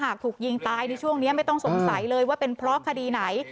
ถูกยิงตายในช่วงนี้ไม่ต้องสงสัยเลยว่าเป็นเพราะคดีไหน